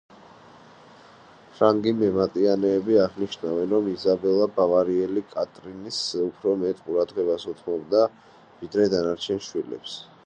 ფრანგი მემატიანეები აღნიშნავენ, რომ იზაბელა ბავარიელი კატრინს უფრო მეტ ყურადღებას უთმობდა ვიდრე დანარჩენ შვილებს.